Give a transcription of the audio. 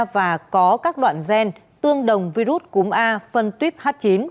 và có các đoạn gen tương đồng virus cúm a phân tuyếp h chín